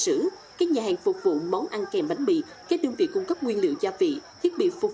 sử các nhà hàng phục vụ món ăn kèm bánh mì các đơn vị cung cấp nguyên liệu gia vị thiết bị phục